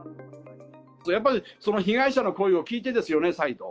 やっぱり被害者の声を聞いてですよね、再度。